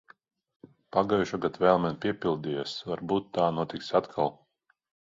Pagājušogad vēlme piepildījās. Varbūt tā notiks atkal.